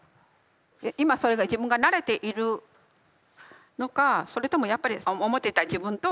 今それが自分がなれているのかそれともやっぱり思ってた自分とずれがあるのか。